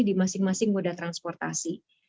di masing masing moda transportasi